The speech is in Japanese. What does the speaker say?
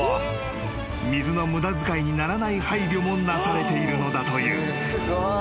［水の無駄遣いにならない配慮もなされているのだという］